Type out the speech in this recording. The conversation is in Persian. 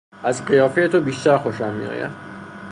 از قیافهی تو بیشتر خوشم میآید.